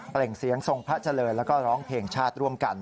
่งเสียงทรงพระเจริญแล้วก็ร้องเพลงชาติร่วมกัน